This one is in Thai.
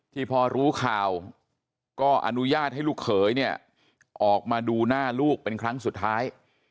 ที่พอรู้ข่าวก็อนุญาตให้ลูกเขยเนี่ยออกมาดูหน้าลูกเป็นครั้งสุดท้าย